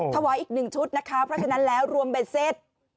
ถวายอีก๑ชุดนะคะเพราะฉะนั้นแล้วรวมเป็นเซต